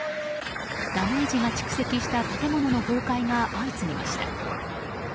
ダメージが蓄積した建物の崩壊が相次ぎました。